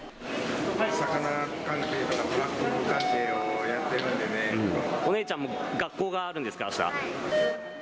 魚関係やトラック関係をやっお姉ちゃんも学校があるんではい。